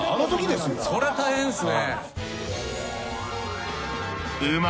そりゃ大変っすね。